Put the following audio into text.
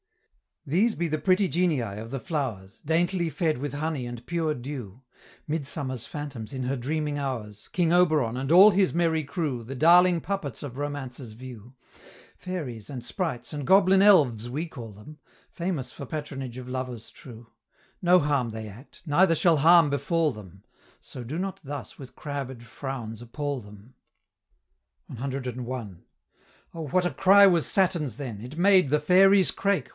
"These be the pretty genii of the flow'rs, Daintily fed with honey and pure dew Midsummer's phantoms in her dreaming hours, King Oberon, and all his merry crew, The darling puppets of romance's view; Fairies, and sprites, and goblin elves we call them, Famous for patronage of lovers true; No harm they act, neither shall harm befall them, So do not thus with crabbed frowns appal them." CI. O what a cry was Saturn's then! it made The fairies quake.